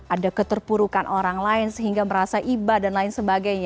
ada keterpurukan orang lain sehingga merasa iba dan lain sebagainya